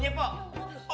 udah waktunya bu